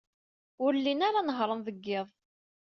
Ur llin ara nehhṛen deg yiḍ.